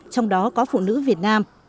trong đó có phụ nữ việt nam